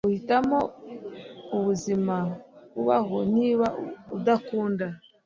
Uhitamo ubuzima ubaho. Niba udakunda,